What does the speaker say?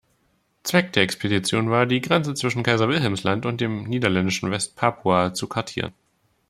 Zweck der Expedition war, die Grenze zwischen Kaiser-Wilhelms-Land und dem niederländischen Westpapua zu kartieren.